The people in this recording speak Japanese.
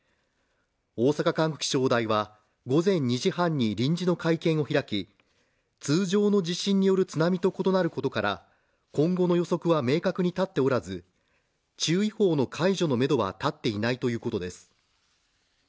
大阪管区気象台は午前２時半に臨時の会見を開き、通常の地震による津波と異なることから、今後の予測は明確に立っておらず、注意報の解除のメドは立っていないということです。